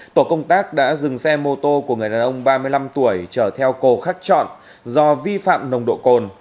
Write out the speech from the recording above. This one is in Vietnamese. tổ công tác đã dừng xe mô tô của người đàn ông ba mươi năm tuổi trở theo cổ khắc trọn do vi phạm nồng độ cồn